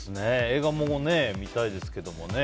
映画も見たいですけどもね。